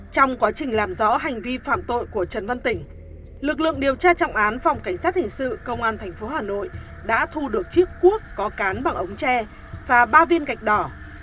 trong quá trình làm rõ hành vi phạm tội của trần văn tỉnh lực lượng điều tra trọng án phòng cảnh sát hình sự công an tp hà nội đã thu được chiếc cuốc có cán bằng ống tre và ba viên gạch đỏ